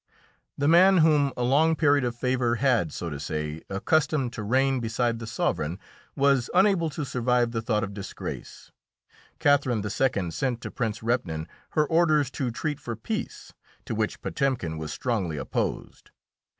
The man whom a long period of favour had, so to say, accustomed to reign beside the sovereign was unable to survive the thought of disgrace. Catherine II. sent to Prince Repnin her orders to treat for peace, to which Potemkin was strongly opposed.